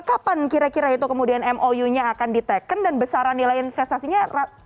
kapan kira kira itu kemudian mou nya akan diteken dan besaran nilai investasinya